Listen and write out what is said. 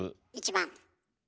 １番。